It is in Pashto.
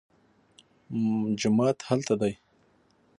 مسجد هلته دی